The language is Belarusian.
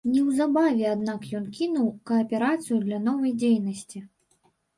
Неўзабаве, аднак, ён кінуў кааперацыю для новай дзейнасці.